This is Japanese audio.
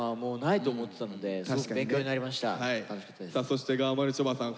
そしてがまるちょばさん。